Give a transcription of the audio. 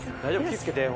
気ぃ付けて。